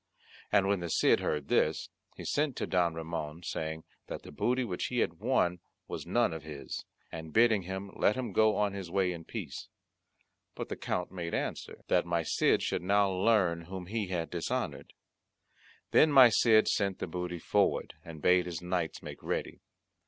And when the Cid heard this he sent to Don Ramon saying, that the booty which he had won was none of his, and bidding him let him go on his way in peace: but the Count made answer, that my Cid should now learn whom he had dishonoured. Then my Cid sent the booty forward, and bade his knights make ready.